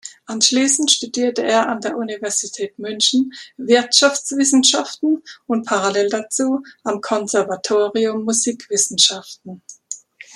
Anschließend studierte er an der Universität München Wirtschaftswissenschaften und parallel dazu am Konservatorium Musikwissenschaften.